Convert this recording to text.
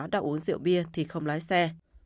đã uống rượu bia thì không lái xe